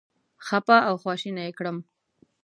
خپه او خواشینی یې کړم.